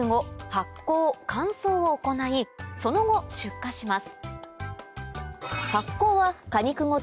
発酵乾燥を行いその後出荷します